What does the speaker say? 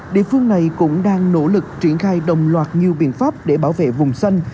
địa phương này cũng đang nỗ lực triển khai đồng loạt nhiều biện pháp để bảo vệ vùng xanh